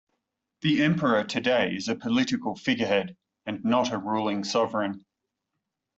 The emperor today is a political figurehead and not a ruling sovereign.